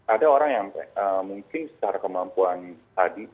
ada orang yang mungkin secara kemampuan tadi